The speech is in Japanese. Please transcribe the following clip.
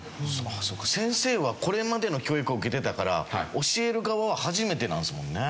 そうか先生はこれまでの教育を受けてたから教える側は初めてなんですもんね。